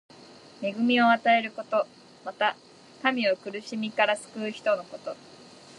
恵みを与えること。また、民を苦しみから救う人のこと。